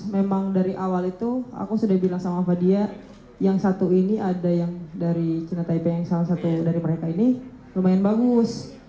memang dari awal itu aku sudah bilang sama fadia yang satu ini ada yang dari cina taipe yang salah satu dari mereka ini lumayan bagus